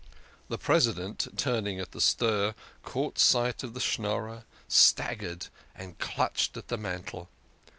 The President, turning at the stir, caught sight of the Schnorrer, staggered and clutched at the mantel.